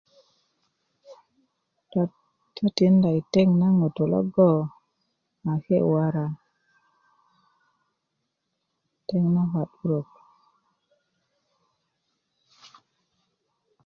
dot do tinda i teŋ na ŋutu logo a ke' wora teŋ na kadurak